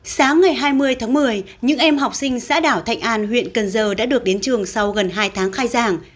sáng ngày hai mươi tháng một mươi những em học sinh xã đảo thạnh an huyện cần giờ đã được đến trường sau gần hai tháng khai giảng